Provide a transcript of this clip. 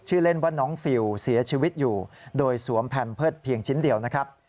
เล่นว่าน้องฟิลเสียชีวิตอยู่โดยสวมแพมเพิร์ตเพียงชิ้นเดียวนะครับ